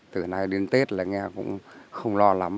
từ nay đến tết là nghe cũng không lo lắm